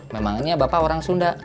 memangnya bapak orang sunda